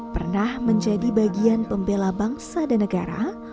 pernah menjadi bagian pembela bangsa dan negara